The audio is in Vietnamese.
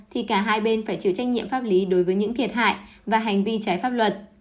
thì cả hai bên phải chịu trách nhiệm pháp lý đối với những thiệt hại và hành vi trái pháp luật